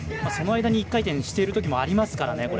その間に１回転しているときもありますからね。